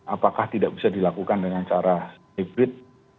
apakah tidak bisa dilakukan dengan cara hybrid